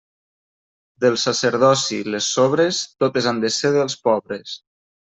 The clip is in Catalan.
Del sacerdoci les sobres, totes han de ser dels pobres.